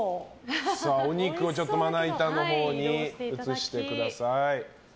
お肉をまな板のほうに移してください。